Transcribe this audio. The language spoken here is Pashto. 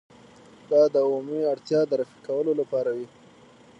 دا د عمومي اړتیا د رفع کولو لپاره وي.